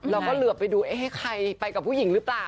เราก็เหลือไปดูเอ๊ะใครไปกับผู้หญิงหรือเปล่า